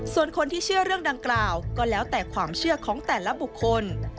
ส่วนคนที่เชื่อเรื่องดังกล่าวก็แล้วแต่ความเชื่อของแต่ละบุคคล